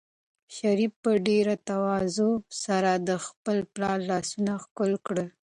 شریف په ډېرې تواضع سره د خپل پلار لاسونه ښکل کړل.